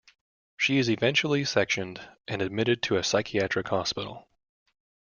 She is eventually sectioned and admitted to a psychiatric hospital.